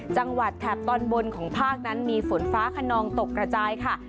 แถบตอนบนของภาคนั้นมีฝนฟ้าขนองตกกระจายค่ะ